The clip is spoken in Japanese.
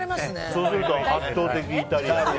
そうすると圧倒的イタリアンに。